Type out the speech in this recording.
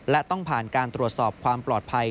และต้องผ่านการตรวจสอบความปลอดภัย